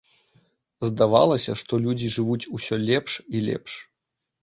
Здавалася, што людзі жывуць усё лепш і лепш.